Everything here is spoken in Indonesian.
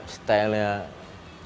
stylenya seorang olimpian